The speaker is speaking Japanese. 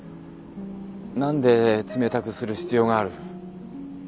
何で冷たくする必要がある。